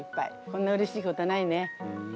こんなうれしいことはないね。